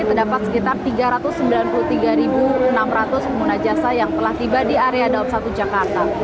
terdapat sekitar tiga ratus sembilan puluh tiga enam ratus pengguna jasa yang telah tiba di area daup satu jakarta